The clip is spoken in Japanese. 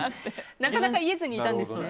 なかなか言えずにいたんですね。